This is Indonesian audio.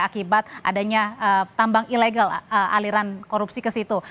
akibat adanya tambang ilegal aliran korupsi ke situ